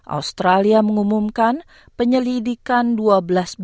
australia mengumumkan penyelidikan dua belas bulan